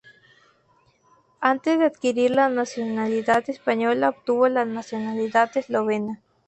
Antes de adquirir la nacionalidad española obtuvo la nacionalidad eslovena.